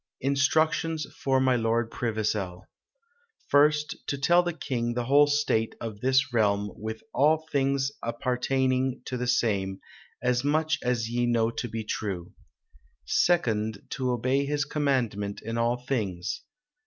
"Instructions for my lorde Previsel. "Firste, to tell the Kinge the whole state of this realme, wt all things appartaynyng to the same, as myche as ye knowe to be trewe. "Seconde, to obey his commandment in all thyngs.